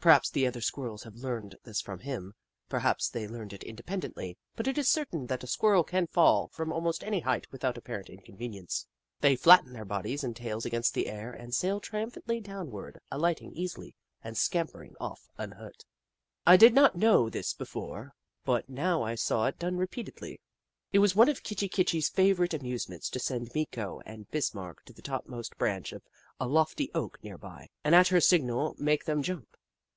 Perhaps the other Squirrels have learned this from him ; perhaps they learned it independently, but it is certain that a Squirrel can fall from almost any height without apparent inconvenience. They flat ten their bodies and tails against the air and sail triumphantly downward, alighting easily and scampering off unhurt. I did not know this before, but now I saw it done repeatedly. It was one of Kitchi Kitchi's favourite amusements to send Meeko and Bis marck to the topmost branch of a lofty oak near by, and at her signal make them jump.